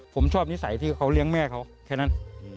ผมชอบนิสัยที่เขาเลี้ยงแม่เขาแค่นั้น